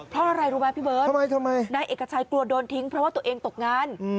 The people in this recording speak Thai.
เพราะอะไรรู้ไหมพี่เบิร์ตทำไมนายเอกชัยกลัวโดนทิ้งเพราะว่าตัวเองตกงาน